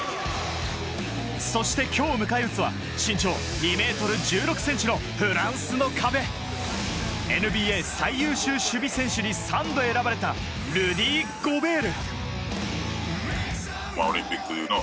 そして今日迎え撃つは身長２ｍ１６ｃｍのフランスの壁、ＮＢＡ最優秀守備選手に３度選ばれたルディ・ゴベール。